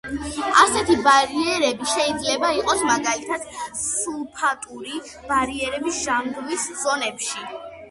ასეთი ბარიერები შეიძლება იყოს, მაგალითად, სულფატური ბარიერები ჟანგვის ზონებში.